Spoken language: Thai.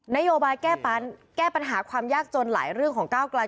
นโยบายแก้ปัญหาความยากจนหลายเรื่องของก้าวไกล